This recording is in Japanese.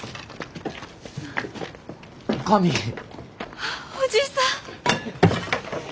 あおじさん！